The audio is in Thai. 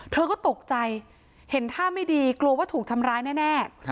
เธอก็ตกใจเห็นท่าไม่ดีกลัวว่าถูกทำร้ายแน่